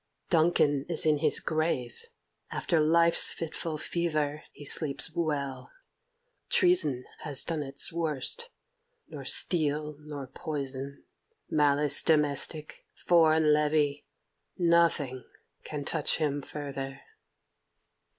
Duncan is in his grave; after life's fitful fever he sleeps well. Treason has done its worst; nor steel, nor poison, malice domestic, foreign levy nothing can touch him further."